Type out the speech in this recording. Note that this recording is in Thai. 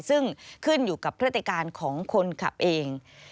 ซึ่งขึ้นอยู่กับพฤติการของคนขับเอง